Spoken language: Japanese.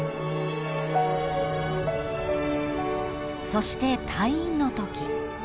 ［そして退院のとき］